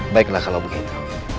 baiklah kalau begitu